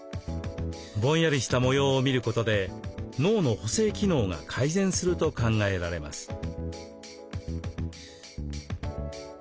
ぼんやりした模様を見ることで脳の補正機能が改善すると考えられます。